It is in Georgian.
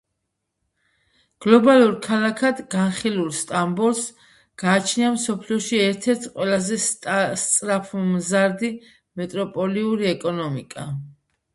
გლობალურ ქალაქად განხილულ სტამბოლს, გააჩნია მსოფლიოში ერთ-ერთ ყველაზე სწრაფმზარდი მეტროპოლიური ეკონომიკა.